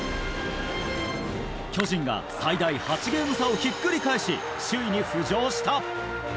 巨人が最大８ゲーム差をひっくり返し首位に浮上した。